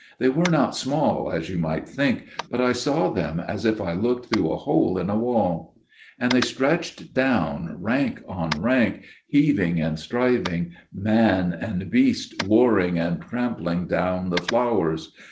They were not small, as you might think, but I saw them as if I looked through a hole in a wall. "And they stretched down, rank on rank, heaving and striving, men and beasts warring and trampling down the flowers.